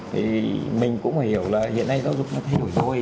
thì mình cũng phải hiểu là hiện nay giáo dục nó thay đổi thôi